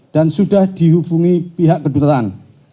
dan sudah dihubungi pihak kedutaan